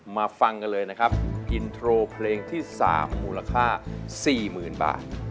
ฟังกันเลยนะครับอินโทรเพลงที่๓มูลค่า๔๐๐๐บาท